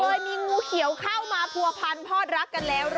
เคยมีงูเขียวเข้ามาผัวพันพอดรักกันแล้ว